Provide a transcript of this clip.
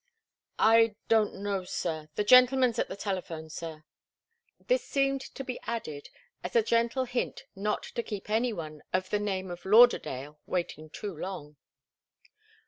"I don't know, sir. The gentleman's at the telephone, sir." This seemed to be added as a gentle hint not to keep any one of the name of Lauderdale waiting too long.